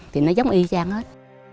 thì nó giống y chang hết